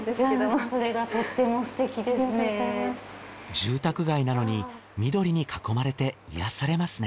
住宅街なのに緑に囲まれて癒やされますね。